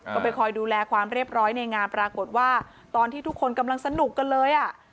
ก็ไปคอยดูแลความเรียบร้อยในงานปรากฏว่าตอนที่ทุกคนกำลังสนุกกันเลยอ่ะ